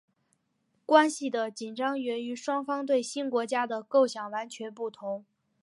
关系的紧张源于双方对新国家的构想完全不同。